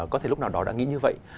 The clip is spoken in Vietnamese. có thể lúc nào đó đã nghĩ như vậy